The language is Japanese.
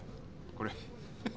これ。